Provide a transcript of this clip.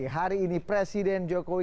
hari ini presiden jokowi